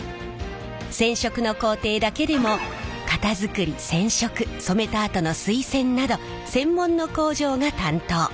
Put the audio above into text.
染色の工程だけでも型作り染色染めたあとの水洗など専門の工場が担当。